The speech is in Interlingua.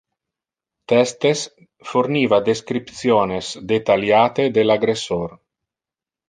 Testes forniva descriptiones detaliate del aggressor.